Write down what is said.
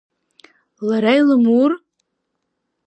Лара илымур?